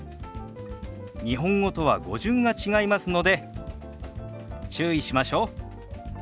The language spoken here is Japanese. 日本語とは語順が違いますので注意しましょう。